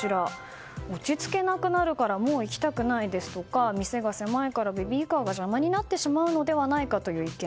落ち着けなくなるからもう行きたくないですとか店が狭いからベビーカーが邪魔になってしまうのではという意見